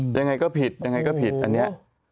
ยังไงก็ผิดยังไงก็ผิดอันนี้